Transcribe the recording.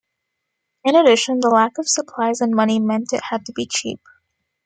In addition, the lack of supplies and money meant it had to be cheap.